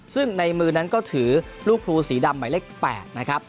ซึ่งในมือนั้นก็ถือลูกครูสีดำหมายเลข๘นะครับ